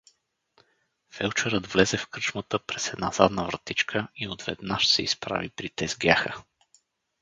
Фелдшерът влезе в кръчмата през една задна вратичка и отведнаж се изправи при тезгяха.